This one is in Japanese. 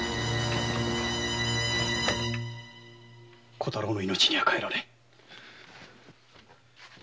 小太郎の命には代えられぬ。